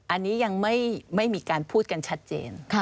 อันนี้ยังไม่มีการพูดกันชัดเจน